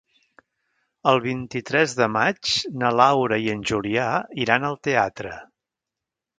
El vint-i-tres de maig na Laura i en Julià iran al teatre.